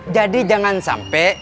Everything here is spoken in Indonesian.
jadi jangan sampe